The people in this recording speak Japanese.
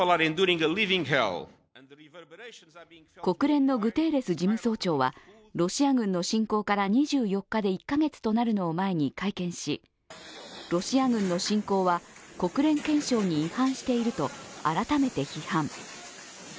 国連のグテーレス事務総長はロシア軍の侵攻から２４日で１カ月となるのを前に会見しロシア軍の侵攻は国連憲章に違反していると改めて批判。